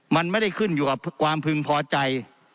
มันไม่ได้ขึ้นอยู่กับความพึงพอใจ